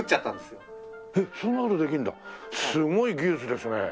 すごい技術ですね。